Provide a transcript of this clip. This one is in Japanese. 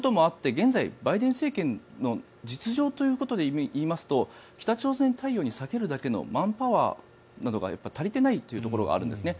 現在、バイデン政権の実情ということでいいますと北朝鮮対応に割けるだけのマンパワーなどが足りていないというところがあるんです。